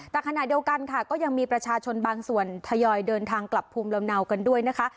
แต่ขณะเดียวกันค่ะก็ยังมีประชาชนบางส่วนทยอยเดินทางกลับภูมิลำเนากันด้วยนะคะ